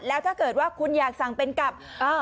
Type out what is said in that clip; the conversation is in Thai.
แล้วถ้าเกิดว่าคุณอยากสั่งเป็นกับ